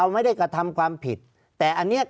ภารกิจสรรค์ภารกิจสรรค์